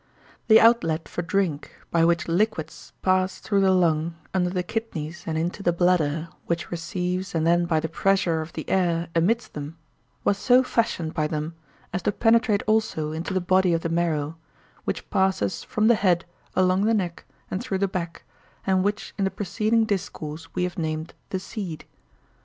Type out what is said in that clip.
The outlet for drink by which liquids pass through the lung under the kidneys and into the bladder, which receives and then by the pressure of the air emits them, was so fashioned by them as to penetrate also into the body of the marrow, which passes from the head along the neck and through the back, and which in the preceding discourse we have named the seed.